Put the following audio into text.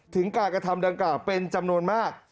ถึงการกระทำดังกล่าวเป็นจำนวนมาก